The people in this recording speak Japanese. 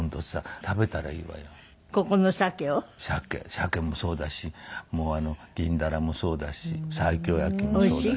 シャケもそうだしギンダラもそうだし西京焼きもそうだし。